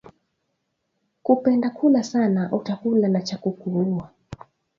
Kupenda kula sana uta kula na kya kukuuwa